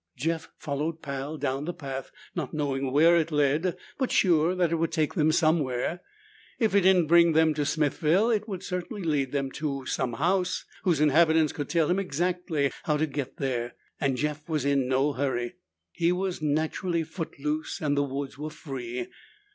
Jeff followed Pal down the path, not knowing where it led but sure that it would take them somewhere. If it did not bring them to Smithville, it would certainly lead to some house whose inhabitants could tell him exactly how to get there, and Jeff was in no hurry. He was naturally footloose and the woods were free.